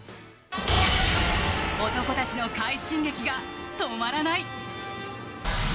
男たちの快進撃が止まらない。